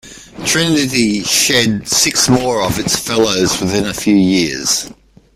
Trinity shed six more of its Fellows within a few years.